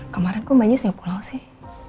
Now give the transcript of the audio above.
kemarin kok mbak jess gak pulang sih